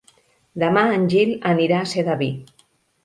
Demà en Gil anirà a Sedaví.